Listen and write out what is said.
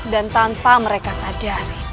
dan tanpa mereka sadari